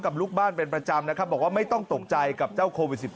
ลูกบ้านเป็นประจำนะครับบอกว่าไม่ต้องตกใจกับเจ้าโควิด๑๙